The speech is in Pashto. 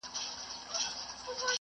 د څېړونکي او لارښود مزاج تل ورته نه وي.